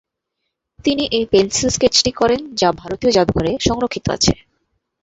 তিনি এই পেন্সিল স্কেচটি করেন- যা ভারতীয় জাদুঘরে সংরক্ষিত আছে।